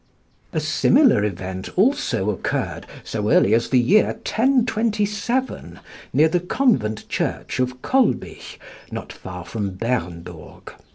A similar event also occurred so early as the year 1027, near the convent church of Kolbig, not far from Bernburg.